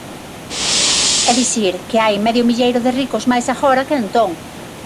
É dicir, que hai medio milleiro de ricos máis agora que entón.